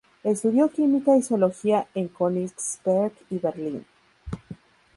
Estudió química y zoología en Königsberg y Berlín.